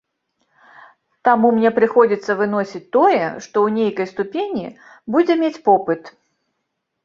Таму мне прыходзіцца выносіць тое, што ў нейкай ступені будзе мець попыт.